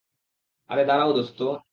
আরে দাঁড়াও দোস্ত।